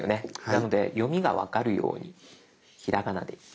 なので読みが分かるようにひらがなで。